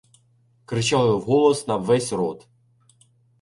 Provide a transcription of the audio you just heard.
Кричали вголос на ввесь рот: